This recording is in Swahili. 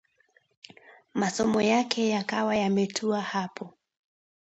Masomo yake yakawa yametua hapo